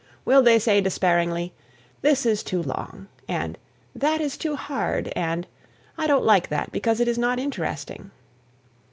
Will they say despairingly, "This is too long," and "That is too hard," and "I don't like that because it is not interesting"?